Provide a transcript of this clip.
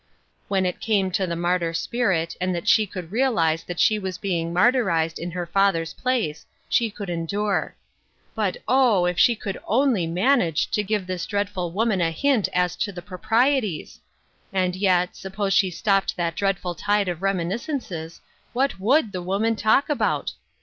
When it came to the martyr spirit, and she could realize that she was being martyrized in her father's place, she could endure. But, oh, if she could onl^ manage to give this dreadful woman a hint as to the proprieties! And yet, suppose sue stopped that dreadful tide of reminiscences, what would the woman talk about